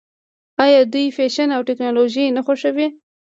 آیا دوی فیشن او ټیکنالوژي نه خوښوي؟